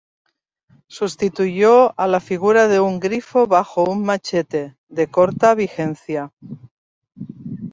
Sustituyó a la figura de un grifo bajo un machete, de corta vigencia.